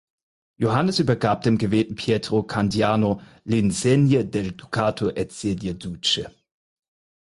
Johannes übergab dem gewählten Pietro Candiano „l’insegne del Ducato et sede Duce“.